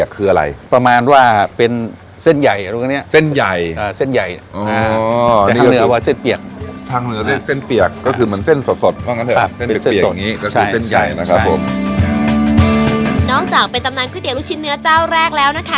ข้อเธอเป็นตำนานก๋วยเตียครูชิ้นเนื้อจ้าวแรกแล้วนะคะ